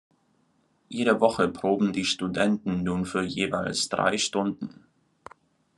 Jede Woche proben die Studenten nun für jeweils drei Stunden.